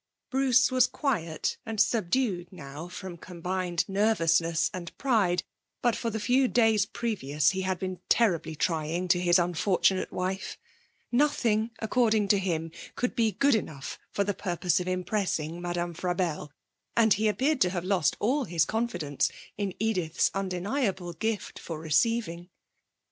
Bruce was quiet and subdued now from combined nervousness and pride, but for the few days previous he had been terribly trying to his unfortunate wife; nothing, according to him, could be good enough for the purpose of impressing Madame Frabelle, and he appeared to have lost all his confidence in Edith's undeniable gift for receiving.